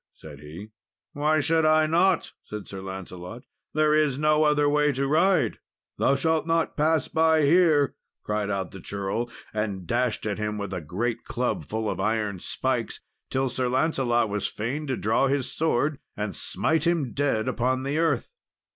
said he. "Why should I not?" said Sir Lancelot; "there is no other way to ride." "Thou shalt not pass by here," cried out the churl, and dashed at him with a great club full of iron spikes, till Sir Lancelot was fain to draw his sword and smite him dead upon the earth.